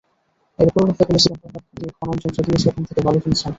এরপরও রফিকুল ইসলাম প্রভাব খাটিয়ে খননযন্ত্র দিয়ে সেখান থেকে বালু তুলছেন।